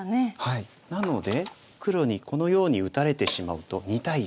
なので黒にこのように打たれてしまうと２対